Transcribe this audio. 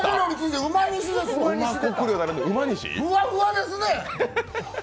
ふわふわですね！